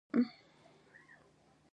اغېزناکه ډيپلوماسي د هېواد اعتبار لوړوي.